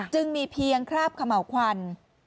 จึงมีเพียงคราบเขม่าวควัน